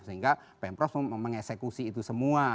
sehingga pemprov mengeksekusi itu semua